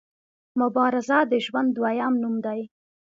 مبارزه د ژوند دویم نوم دی.